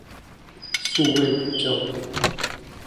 數位與教育